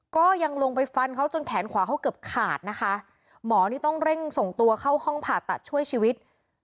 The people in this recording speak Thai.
ก็ยังลงไปฟันเขาจนแขนขวาเขาเกือบขาดนะคะหมอนี่ต้องเร่งส่งตัวเข้าห้องผ่าตัดช่วยชีวิต